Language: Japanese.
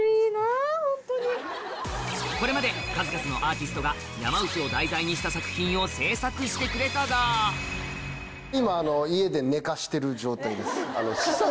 これまで数々のアーティストが山内を題材にした作品を制作してくれたが今。